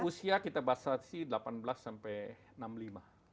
usia kita batasi delapan belas sampai enam puluh lima